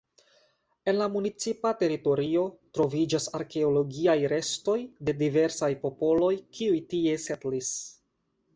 En la municipa teritorio troviĝas arkeologiaj restoj de diversaj popoloj kiuj tie setlis.